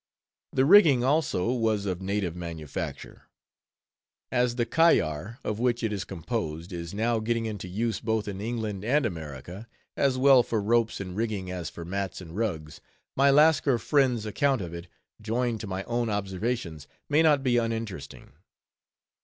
The rigging, also, was of native manufacture. As the kayar, of which it is composed, is now getting into use both in England and America, as well for ropes and rigging as for mats and rugs, my Lascar friend's account of it, joined to my own observations, may not be uninteresting.